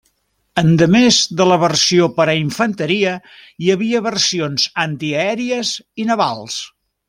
Endemés de la versió per a infanteria, hi havia versions antiaèries i navals.